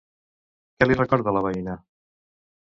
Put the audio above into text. Què li recorda la veïna?